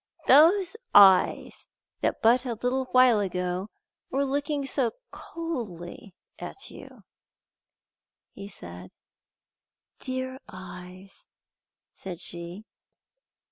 "Those eyes that but a little while ago were looking so coldly at you!" he said. "Dear eyes!" said she.